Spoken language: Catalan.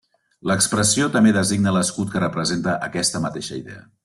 L'expressió també designa l'escut que representa aquesta mateixa idea.